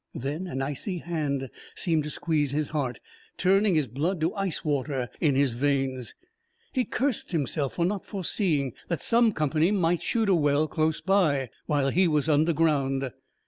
Then, an icy hand seemed to squeeze his heart, turning his blood to ice water in his veins. He cursed himself for not foreseeing that some company might shoot a well close by, while he was underground.